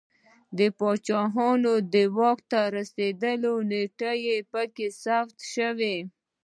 د پاچاهانو د واک ته رسېدو نېټې په کې ثبت شوې